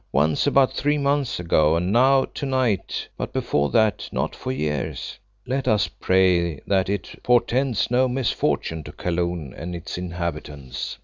Once about three months ago, and now to night, but before that not for years. Let us pray that it portends no misfortune to Kaloon and its inhabitants."